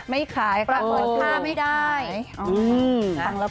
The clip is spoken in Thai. ไม่ขายครับ